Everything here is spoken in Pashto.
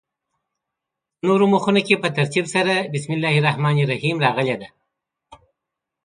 په نورو مخونو کې په ترتیب سره بسم الله الرحمن الرحیم راغلې ده.